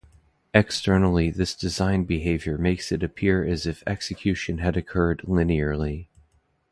Externally this design behaviour makes it appear as if execution had occurred linearly.